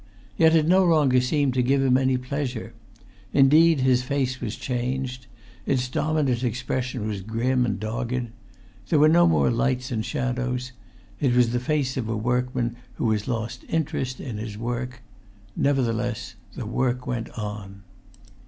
Yet it no longer seemed to give him any pleasure. Indeed, his face was changed. Its dominant expression was grim and dogged. There were no more lights and shadows. It was the face of a workman who has lost interest in his work. Nevertheless, the work went on.